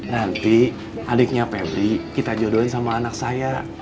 nanti adiknya pebri kita jodohin sama anak saya